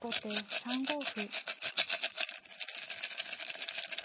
３五歩。